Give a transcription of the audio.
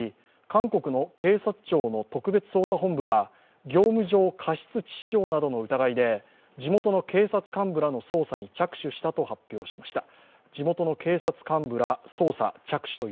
韓国の警察庁の特別捜査本部は業務上過失致死傷などの疑いで地元の警察幹部らの捜査に着手したと発表しました。